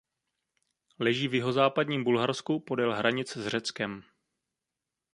Leží v jihozápadním Bulharsku podél hranic s Řeckem.